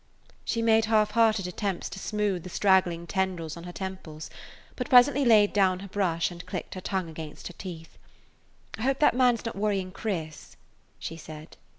She made half hearted attempts to smooth the straggling tendrils on her temples, but presently laid down her brush and clicked her tongue against her teeth. "I hope that man 's not worrying Chris," she said.